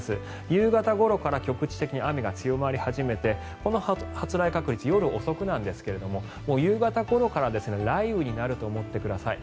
夕方ごろから局地的に雨が強まり始めてこの発雷確率、夜遅くなんですが夕方ごろから雷雨になると思ってください。